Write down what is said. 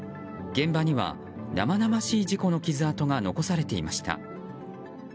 現場には、生々しい事故の傷痕が残されていました。